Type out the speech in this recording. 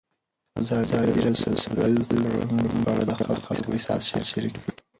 ازادي راډیو د سوداګریز تړونونه په اړه د خلکو احساسات شریک کړي.